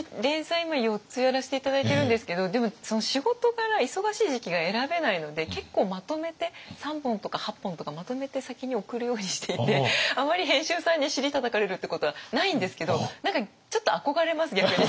今４つやらせて頂いてるんですけどでも仕事柄忙しい時期が選べないので結構まとめて３本とか８本とかまとめて先に送るようにしていてあまり編集さんに尻たたかれるってことはないんですけど何かちょっと憧れます逆に。